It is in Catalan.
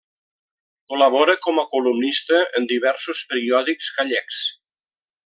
Col·labora com a columnista en diversos periòdics gallecs.